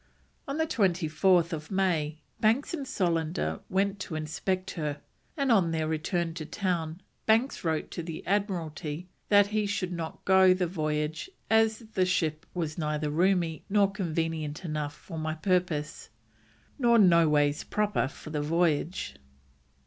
On 24th May Banks and Solander went to inspect her, and on their return to town Banks wrote to the Admiralty that he should not go the voyage as "the ship was neither roomy nor convenient enough for my purpose, nor no ways proper for the voyage."